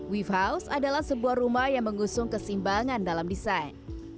weave house adalah sebuah rumah yang mengusung kesimbangan dan kebaikan